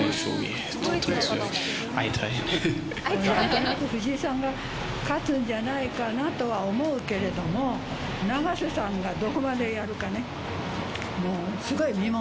なんとなく藤井さんが勝つんじゃないかなとは思うけど、永瀬さんがどこまでやるかね。